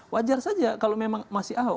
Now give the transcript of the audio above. wajar saja kalau memang masih ahok